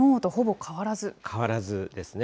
変わらずですね。